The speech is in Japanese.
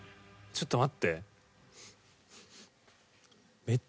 ちょっと待って。